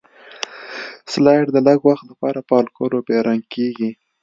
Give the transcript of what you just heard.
سلایډ د لږ وخت لپاره په الکولو بې رنګ کیږي.